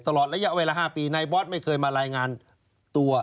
ตลอดระยะเวลา๕ปีนายบอสไม่เคยมารายงานตัว